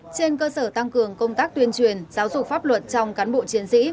trên cơ sở tăng cường công tác tuyên truyền giáo dục pháp luật trong cán bộ chiến sĩ